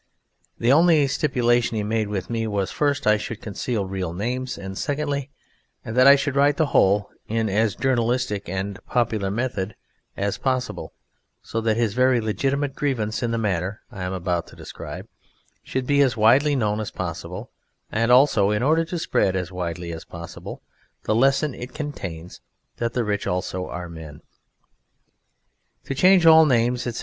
The only stipulation he made with me was first that I should conceal real names and secondly that I should write the whole in as journalistic and popular a method as possible, so that his very legitimate grievance in the matter I am about to describe should be as widely known as possible and also in order to spread as widely as possible the lesson it contains that the rich also are men. To change all names etc.